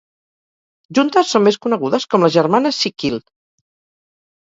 Juntes són més conegudes com les Germanes Sikkil.